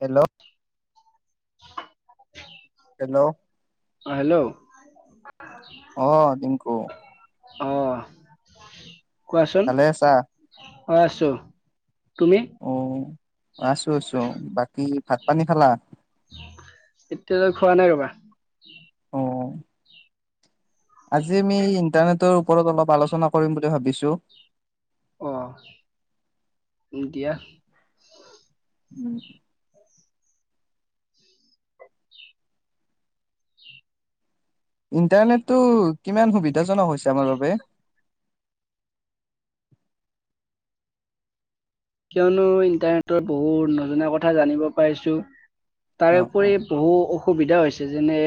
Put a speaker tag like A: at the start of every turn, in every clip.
A: Hello hello.
B: অ', hello.
A: অ', দিনকো।
B: অহ। কোৱাচোন।
A: ভালে আছা
B: হয়, আছো। তুমি
A: অ', আছো, আছো বাকী ভাত পানী খালা?
B: এতিয়া লৈকে খোৱা নাই ৰবা।
A: অ। আজি আমি ইন্টাৰনেটৰ ওপৰত অলপ আলোচনা কৰিম বুলি ভাবিছো।
B: অহ, দিয়া।
A: উম। ইন্টাৰনেটটো কিমান সুবিধাজনক হৈছে আমাৰ বাবে?
B: কিয়নো ইন্টাৰনেটৰ বহুত নজনা কথা জানিব পাইছো।
A: অ অ
B: তাৰপৰি বহু অসুবিধা হৈছ যেনে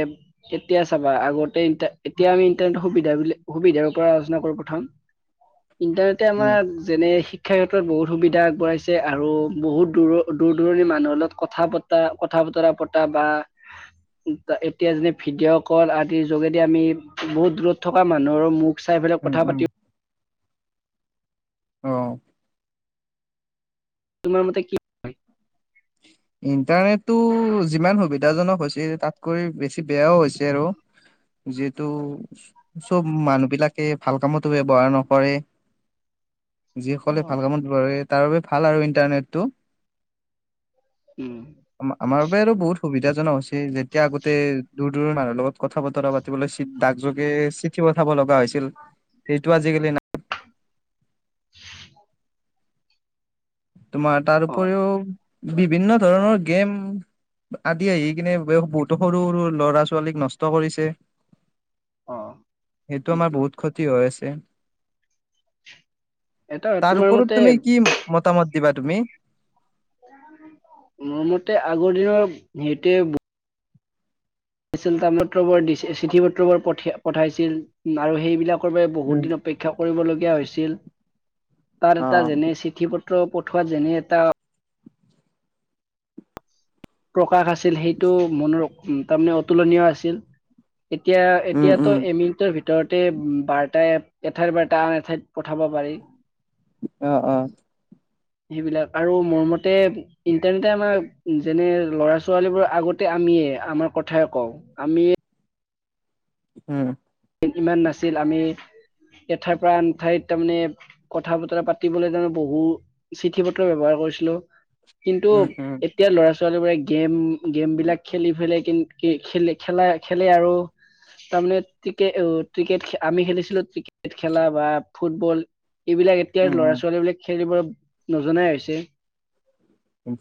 B: কেতিয়া চাবা আগতে ইণ্টাৰ এতিয়া আমি ইন্টাৰনেটু সুবিধা বিলা সুবিধা পৰা আলোচনা কৰো প্ৰথম ইণ্টাৰনেটে
A: উম
B: আমাৰ যেনে শি ক্ষেতত বহুত সুবি আগবঢ়াইছে আৰু বহুত দূৰৰ দূৰ দূৰণি মানুহৰ লগত কথা পতা কথা বতৰা পতা বা এতিয়া যেনে ভিডিঅ' কল আদিৰ যোগেদি আমি বহুত দূৰত থকা মানুহৰো মুখ চাই পেলাক
A: উম
B: কথা পাতি
A: অহ।
B: তোমাৰ মতে কি হয়?
A: ইণ্টাৰনেটটো যিমান সুবিধাজনক হৈছিল তাত কৰি বেছ বেয়াও হৈছে আৰু। যিহেতু চব মানুহ বিলাকে ভাল কামতো ব্যৱহাৰ নকৰে যিসকলে
B: অ',
A: ভাল কামত ধৰে তাৰ বাবে ভাল আৰু ইণ্টাৰনেটটো।
B: উম,
A: আমাৰ আমাৰ বাবে এইটো বহুত সুবিধা [inaudible] যেতিয়া আগতে তোৰ দূৰৈৰ মানুহৰ লগত কথা বতৰা পাতিবলৈ ডাক জোগে চিঠি পঠাব লগা হৈছিল। সেইটো আজিকালি নাই।
B: [inaudible]
A: তোমাৰ তাৰ
B: অ',
A: উপৰিও বিভিন্ন ধৰণৰ গেম আদি আহি কিনে বহুতো সৰু সৰু ল'ৰা ছোৱালীক নষ্ট কৰিছে।
B: অ',
A: সেইটো আমাৰ বহুত ক্ষতি হৈ আছে।
B: এটা
A: [inaudible] তাৰ
B: তোমাৰ
A: ওপৰত
B: মতে
A: তুমি কি? দুটা মত দিবা তুমি
B: মোৰ মতে আগৰ দিনৰ সেইতে পত্ৰবোৰ দিছে, চিঠি পত্ৰবোৰ পঠাইছিল আৰু সেইবিলাক বহুত
A: উম
B: দিন অপেক্ষা কৰিবলগীয়া হৈছিল তাৰ
A: অ
B: এটা যেনে চিঠি পত্ৰ পত্ৰ পঠোৱা যেনে এটা প্ৰ প্ৰকাশ আছিল সেইটো মনোৰম উ তাৰমানে অতুলনীয় আছিল। এতিয়া
A: উম
B: এতিয়াতো
A: উম
B: এ মিনিটৰ ভিতৰত ভিতৰতে বাৰ্তাই এঠাইৰ বাৰ্তা আন এঠাইত পঠাব পাৰি।
A: আহ আহ।
B: সেইবিলাক আৰু মোৰ মতে ইণ্টাৰনেটে আমাৰ যেনে ল'ৰা ছোৱালীবোৰ, আগতে আমিয়ে আমাৰ কথাই কওঁ আমিয়ে
A: উম।
B: ইমান নাছিল আমি এঠাইৰ পৰা আন ঠাইত তাৰমানে কথা বতৰা পাতিবলে তাৰমানে বহু চিঠি পত্ৰ ব্যৱহাৰ কৰিছিলো। কিন্তু,
A: উম উম
B: এতিয়া ল'ৰা ছোৱালী বোৰে গেম গেম বিলাক খেলি পেলাই কিন্ত, খেলা খেলে আৰু তাৰমানে ক্ৰিকেট উ আমি খেলিছিলো ক্ৰিকেট খেলা বা ফুটবল এইবিলাক এতিয়া
A: উম
B: ল'ৰা ছোৱালী বিলাক খেলিব নজনাই হৈছে।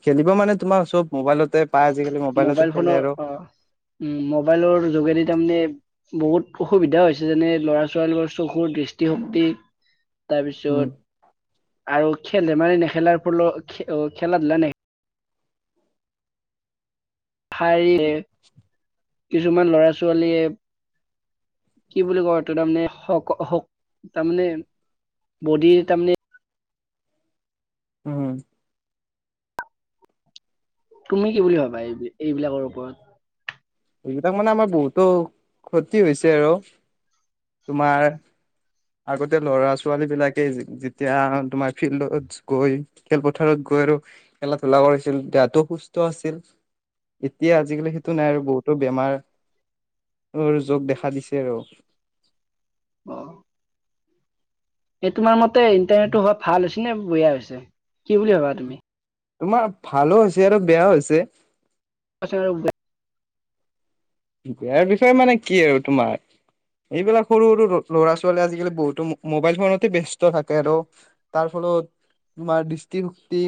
A: খেলিব মানে তোমাৰ চব মোবাইলত তে পাই আজিকালি মোবাইলতে খেলে আৰু।
B: উ মোবাইলৰ যোগেদি তাৰমানে বহুত অসুবিধা হৈছে যেনে লৰা ছোৱালীৰৰ চকুৰ দৃষ্টিশক্তি
A: উম
B: তাৰপিছত আৰু খেলে ধেমালি নেখেলাৰ ফলত অ' খেলা ধূলা নে [unintelligible] কিছুমান লৰা ছোৱালীয়ে, কি বুলি কয়, তাৰমানে, তাৰমানে বডিৰ তাৰমানে
A: উম।
B: তুমি কি বুলি ভাবা এই এইবিলাকৰ ওপৰত?
A: এইকেইটাক মানে আমাৰ বহুতো ক্ষতি হৈছে, আৰু, তোমাৰ আগতে লৰা ছোৱালী বিলাকে যেতিয়া তোমাৰ ফিল্ডত গৈ খেলপথাৰত গৈ আৰু খেলা ধূলা কৰিছিল দেহাতটো সুস্থ আছিল এতিয়া আজিকালি সেইটো নাই আৰু বহুতো বেমাৰ যোগ দেখা দিছে আৰু।
B: অ'। এই তোমাৰ মত ইণ্টাৰনেটটো হোৱা ভাল নে বেয়া হৈছে? কি বুলি ভাবা তুমি?
A: তোমাৰ ভালো হৈছে আৰু বেয়া হৈছে।
B: [unintelligible]
A: বিয়াৰ বিষয়ে মানে কি আৰু তোমাৰ এইবিলাক সৰু সৰু ল'ৰা ছোৱালী আজিকালি বহুতো মোবাইল ফোনতে ব্যস্ত থাকে আৰু তাৰ ফলত তোমাৰ দৃষ্টিশক্তি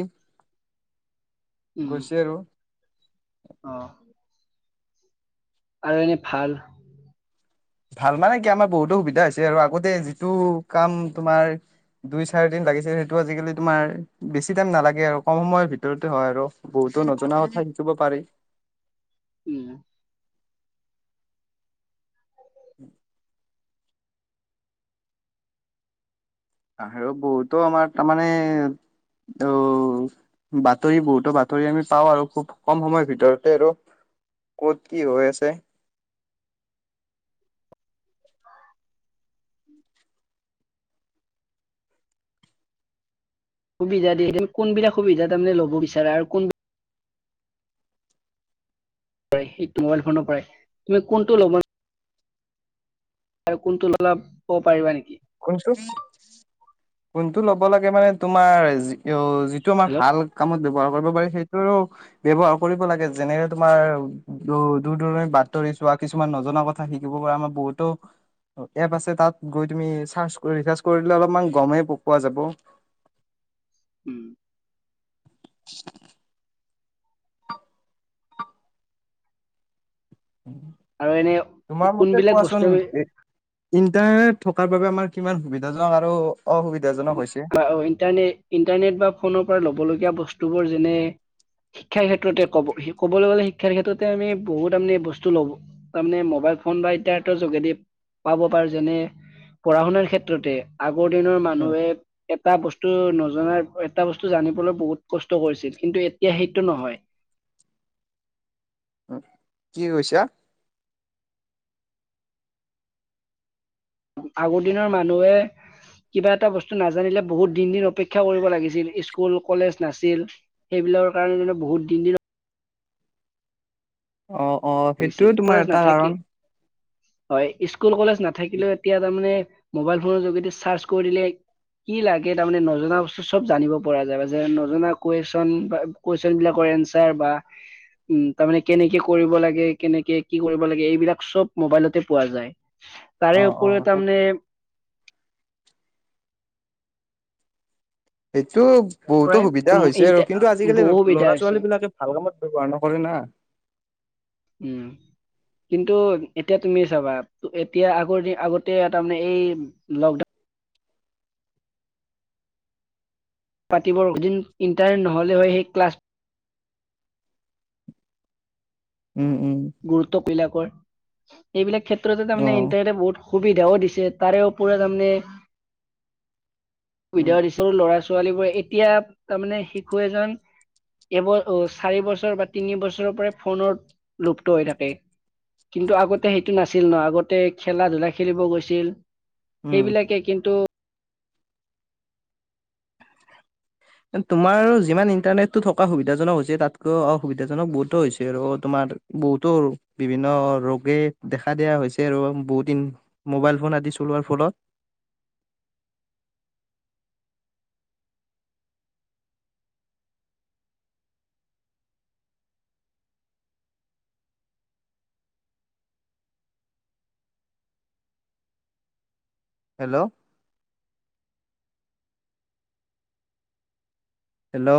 A: গৈছে আৰু।
B: আহ আৰু এনে ভাল
A: ভাল মানে কি আমাৰ বহুতো সুবিধা হৈছে আৰু, আগতে যিটো কাম তোমাৰ দুই চাৰি দিন লাগিছে সেইটো আজিকালি তোমাৰ বেছি টাইম নালাগে আৰু, কম সময়ৰ ভিতৰতে হয় আৰু, বহুতো নজুনা কথা শিকিব পাৰি।
B: উম,
A: [inaudible] আৰু বহুতো আমাৰ তাৰমানে অ' বাতৰি বহুতো বাতৰি আমি পাওঁ আৰু খুব কম সময়ৰ ভিতৰতে আৰু ক'ত কি হৈ আছে।
B: সুবিধা দিয়ে কোনবিলাক সুবিধা তাৰমানে ল'ব বিচাৰে আৰু কোন মোবাইল ফোনৰ পৰা তুমি কোনটো ল'বা? আৰু কোনটো ল'লা ক'ব পাৰিবা নেকি?
A: শুনিছো। কোনটো ল'ব লাগে মানে তোমাৰ অ' যিটো আমাৰ
B: হেল্ল'
A: ভাল কামত ব্যৱহাৰ কৰিব পাৰি সেইটো ব্যৱহাৰ কৰিব লাগে যেনেৰে, তোমাৰ দূৰ দূৰণি বাতৰি চোৱা কিছুমান নজনা কথা শিকিব পৰা আমাৰ বহুতো এপ আছে তাত গৈ তুমি [unintelligible] কৰি দিলে অলপমান গমেই প পোৱা যাব।
B: উম। আৰু এনে
A: তোমাৰ মতে
B: কোনবিলাক বস্তু
A: কোৱাচোন ইণ্টাৰনেট থকাৰ বাবে আমাৰ কিমান সুবিধাজনক আৰু অসুবিধাজনক হৈছে
B: ইণ্টাৰনেট, ইণ্টাৰনেট বা ফোনৰ পৰা ল'ব লগীয়া বস্তুবোৰ যেনে শিক্ষাৰ ক্ষেত্ৰতে কব ক'বলৈ গ'লে, শিক্ষাৰ ক্ষেত্ৰতে আমি বহুত তাৰে বস্তু লব তাৰমানে মোবাইল ফোন বা ইন্টানেটৰ যোগেদি পাব পাৰো যেনে পঢ়া শুনাৰ ক্ষেত্ৰতে আগৰ দিনৰ
A: উম,
B: [inaudible] এটা বস্তু নজনা, এটা বস্তু জানিবলৈ বহুত কষ্ট কৰিছিল কিন্তু এতিয়া সেইটো নহয়।
A: কি কৈছা?
B: আগৰ দিনৰ মানুহে কিবা এটা বস্তু নাজানিলে বহুত দিন দিন অপেক্ষা কৰিব লাগিছিল স্কুল কলেজ নাছিল সেইবিলৰ কাৰণে বহুত দিন দিন
A: অ অ সেইটোও
B: লাগিছিল
A: তোমাৰ
B: কলেজ
A: এটা
B: নাথাকি
A: কাৰণ
B: হয় স স্কুল কলে নাথাকিলেও এতিয়া তাৰমানে মোবাইল ফোনৰ যোগেদি চাৰ্চ কৰি দিলে কি লাগে তাৰমানে নজনা বস্তু চব জানিব পৰা যায় যে নজনা কুৱেশন বা কুৱেশন বিলাকৰ এনচাৰ বা উ তাৰমানে কেনেকে কৰিব লাগে কেনেকে কি কৰিব লাগে এইবিলাক চব মোবাইলতে পোৱা যায়
A: অ
B: তাৰেওৰত
A: অ
B: তামনে
A: সেইটো বহুতো
B: প্ৰায়
A: সুবিধা
B: উম,
A: হৈছে আৰু
B: ইণ্টা
A: কিন্তু আজিকালি
B: বহু সুবিধা
A: ল'ৰা
B: হৈছে
A: ছোৱালী বিলাকে ভাল কামত বৰ্ণনা কৰি ন
B: উম কিন্তু এতিয়া তুমি চাবা এতিয়া আগৰ আগতে তাৰমানে এই লকডাউন পাতিবৰদিন ইণ্টাৰ নহ'লে হয় সেই ক্লাছ
A: উম উম
B: গুৰুত্ব পিলা এইবিলাক কেত উত্ৰতোৰে
A: অ।
B: ইণ্টাৰট বহুত সুবিধাও দিছে তাৰেও পুৰা তাৰমানে
A: উম
B: সুবিধা দিছোৰো লৰা ছোৱালী বো এতিয়া তাৰমানে শিশু এজন এব চাৰি বছৰ বা তিনি বছৰৰ পৰা ফনৰত লুপ্ত হৈ থাকে কিন্তু আগতে সেইটো নাছিল ন আগতে খেলা ধূলা খেলিব গৈছিল
A: উম।
B: সেইবিলাকে কিন্তু
A: তোমাৰ যিমান ইন্টাৰনেটটোো থকা সুবিধাজনক হৈছে তাতকৈ অসুবিধাজনক বহুতো হৈছে আৰু তোমাৰ বহুতো বিভিন্ন ৰোগে দেখা দিয়া হৈছে আৰু বহুত দিন মোবাইল ফোন আদি চলোৱাৰ ফলত হেল্ল' হেল্ল'